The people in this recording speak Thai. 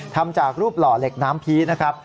ทำจากรูปหล่อเหล็กน้ำพีนะครับ